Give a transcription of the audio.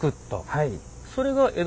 はい。